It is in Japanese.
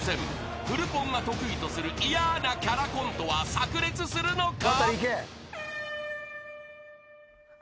［フルポンが得意とする嫌なキャラコントは炸裂するのか？］